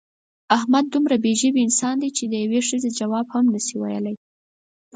احمد دومره بې ژبې انسان دی چې د یوې ښځې ځواب هم نشي کولی.